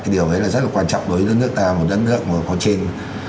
điều đấy là rất là quan trọng đối với đất nước ta một đất nước mà có trên